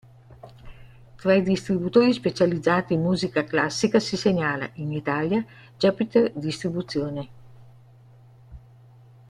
Tra i distributori specializzati in musica classica si segnala, in Italia, Jupiter Distribuzione.